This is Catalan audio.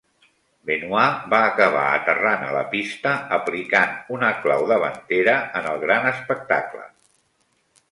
Benoit va acabar aterrant a la pista aplicant una clau davantera en el gran espectacle.